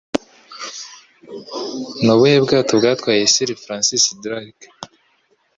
Nubuhe bwato bwatwaye Sir Francis Drake